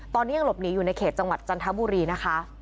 ตอนนี้ยังหลบหนีอยู่ในเขตจังหวัดจันทบุรีนะคะ